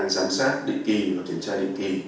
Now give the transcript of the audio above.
giám sát định kỳ